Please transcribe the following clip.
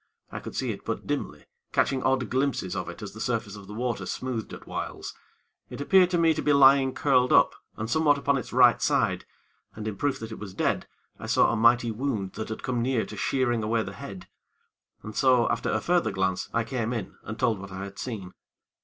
I could see it but dimly, catching odd glimpses of it as the surface of the water smoothed at whiles. It appeared to me to be lying curled up, and somewhat upon its right side, and in proof that it was dead, I saw a mighty wound that had come near to shearing away the head; and so, after a further glance, I came in, and told what I had seen.